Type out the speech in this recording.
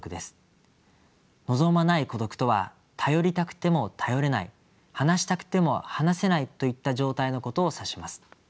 「望まない孤独」とは頼りたくても頼れない話したくても話せないといった状態のことを指します。